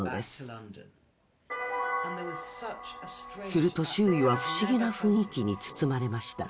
すると周囲は不思議な雰囲気に包まれました。